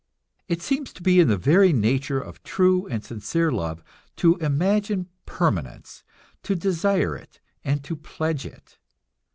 It seems to be in the very nature of true and sincere love to imagine permanence, to desire it and to pledge it.